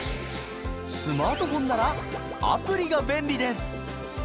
スマートフォンならアプリが便利です。